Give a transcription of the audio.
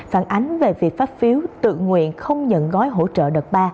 phản ánh về việc phát phiếu tự nguyện không nhận gói hỗ trợ đợt ba